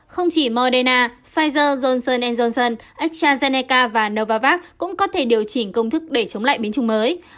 không chỉ moderna pfizer johnson johnson estrazeneca và novavax cũng có thể điều chỉnh công thức để chống lại biến chứng mới